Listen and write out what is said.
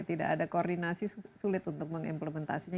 tidak ada koordinasi sulit untuk mengimplementasinya